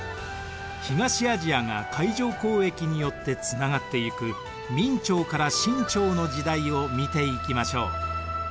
東アジアが海上交易によってつながっていく明朝から清朝の時代を見ていきましょう。